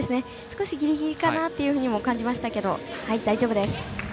少しぎりぎりかなとも感じましたけど大丈夫です。